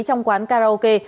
trong quán karaoke